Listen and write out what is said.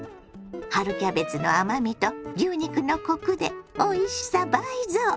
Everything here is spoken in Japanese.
春キャベツの甘みと牛肉のコクでおいしさ倍増！